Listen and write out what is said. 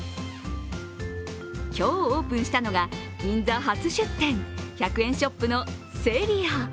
今日オープンしたのが、銀座初出店、１００円ショップのＳｅｒｉａ。